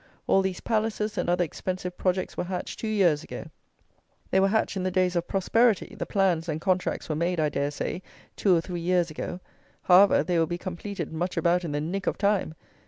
All these palaces and other expensive projects were hatched two years ago; they were hatched in the days of "prosperity," the plans and contracts were made, I dare say, two or three years ago! However, they will be completed much about in the nick of time!